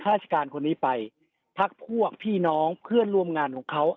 ราชการคนนี้ไปพักพวกพี่น้องเพื่อนร่วมงานของเขา